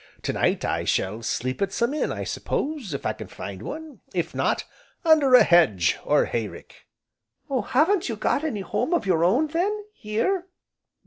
To night I shall sleep at some inn, I suppose, if I can find one, if not, under a hedge, or hay rick." "Oh! haven't you got any home of your own, then, here?"